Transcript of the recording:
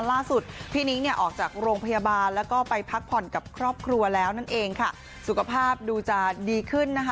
ล่าสุดพี่นิ้งเนี่ยออกจากโรงพยาบาลแล้วก็ไปพักผ่อนกับครอบครัวแล้วนั่นเองค่ะสุขภาพดูจะดีขึ้นนะคะ